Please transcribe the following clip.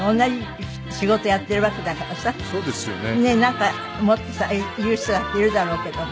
なんかもっとさ言う人だっているだろうけども。